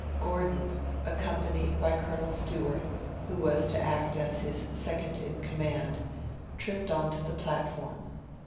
Gordon, accompanied by Colonel Stewart, who was to act as his second in command, tripped on to the platform.